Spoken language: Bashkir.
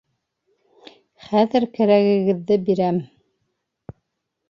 Хәҙер кәрәгегеҙҙе бирәм!